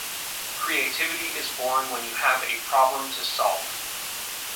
Creativity is born when you have a problem to solve.